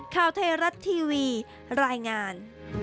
ข่าวเทราะห์ทีวีรายงาน